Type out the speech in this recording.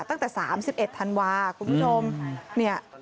ตั้งแต่๓๑ธันวาคุณผู้ชม